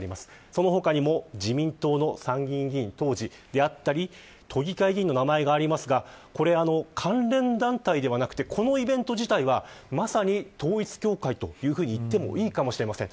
その他にも自民党の参議院議員当時であったり都議会議員の名前がありますが、これ関連団体ではなくてこのイベント自体はまさに統一教会というふうに言ってもいいかもしれません。